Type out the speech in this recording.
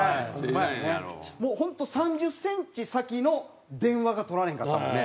もう本当３０センチ先の電話が取られへんかったもんね。